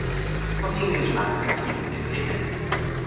But the Englishman continued indignant.